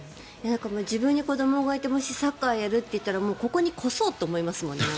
自分に子どもがいてサッカーやるっていったらここに越そうと思いますね。